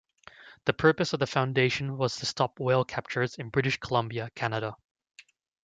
The purpose of the foundation was to stop whale captures in British Columbia, Canada.